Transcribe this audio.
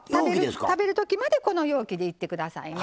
食べる時までこの容器でいって下さいね。